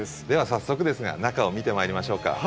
では早速ですが中を見てまいりましょうか。